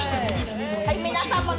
はい、皆さんもね！